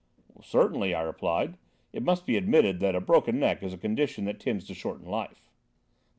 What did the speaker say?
"Certainly," I replied; "it must be admitted that a broken neck is a condition that tends to shorten life."